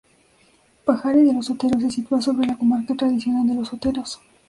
Pajares de los Oteros se sitúa sobre la comarca tradicional de Los Oteros.